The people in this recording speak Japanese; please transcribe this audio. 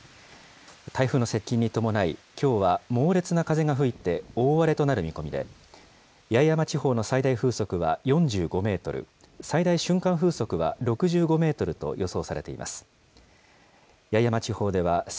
台風の接近に伴い、きょうは猛烈な風が吹いて大荒れとなる見込みで、八重山地方の最大風速は４５メートル、最大瞬間風速は６５メートルと予想されています。